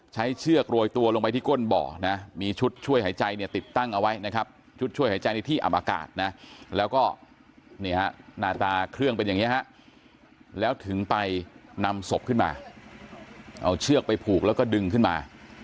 เชือกโรยตัวลงไปที่ก้นบ่อนะมีชุดช่วยหายใจเนี่ยติดตั้งเอาไว้นะครับชุดช่วยหายใจในที่อำอากาศนะแล้วก็หน้าตาเครื่องเป็นอย่างนี้ฮะแล้วถึงไปนำศพขึ้นมาเอาเชือกไปผูกแล้วก็ดึงขึ้นมา